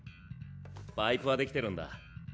パイプは出来てるんだ。